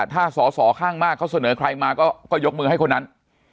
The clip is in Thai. ถ้าสอสอข้างมากเขาเสนอใครมาก็ยกมือให้คนนั้น